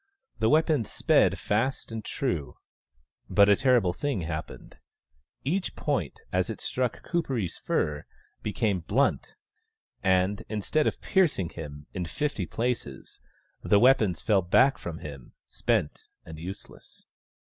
The weapons sped fast and true. But a terrible thing happened. Each point, as it struck Kuperee's fur, became blunt, and, instead of piercing him in fifty places, the weapons fell back from him, spent and useless.